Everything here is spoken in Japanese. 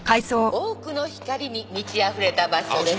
多くの光に満ちあふれた場所です。